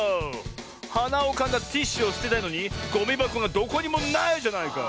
はなをかんだティッシュをすてたいのにゴミばこがどこにもないじゃないか！